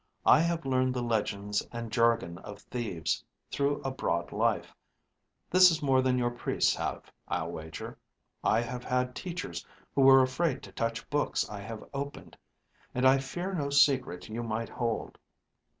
I have learned the legends and jargon of thieves through a broad life; this is more than your priests have, I'll wager. I have had teachers who were afraid to touch books I have opened. And I fear no secret you might hold."